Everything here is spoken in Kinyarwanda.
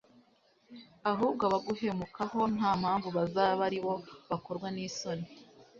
ahubwo abaguhemukaho nta mpamvu bazabe ari bo bakorwa n'isoni